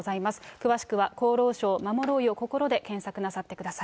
詳しくは厚労省まもろうよこころで検索なさってください。